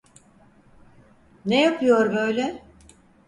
Ne yapıyor böyle?